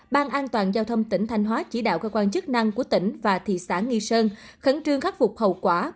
ban an toàn giao thông tỉnh thanh hóa chỉ đạo cơ quan chức năng của tỉnh và thị xã nghi sơn khẩn trương khắc phục hậu quả